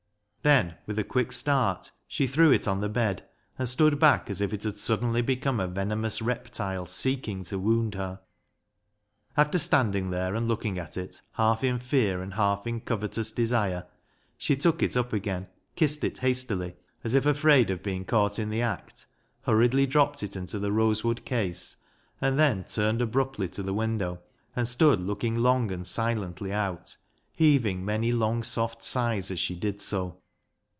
Then with a quick start she threw it on the bed, and stood back as if it had suddenly become a venomous reptile seeking to wound her. After standing there and looking at it, half in fear and half in covetous desire, she took it up again, kissed it hastily, as if afraid of being caught in the act, hurriedly dropped it into the LEAH'S LOVER 47 rosewood case, and then turned abruptly to the window and stood looking long and silently out, heaving many long soft sighs as she did so.